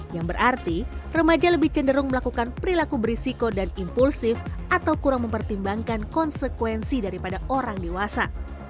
yang berarti remaja lebih cenderung melakukan perilaku berisiko dan impulsif atau kurang mempertimbangkan konsekuensi daripada orang dewasa